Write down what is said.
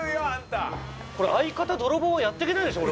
これ相方泥棒はやっていけないでしょ